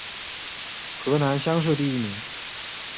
河南乡试第一名。